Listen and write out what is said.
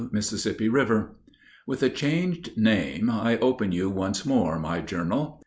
Mississippi River._) With a changed name I open you once more, my journal.